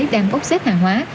đang ốc xếp hàng hóa